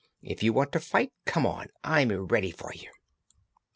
If you want to fight, come on I'm ready for you!"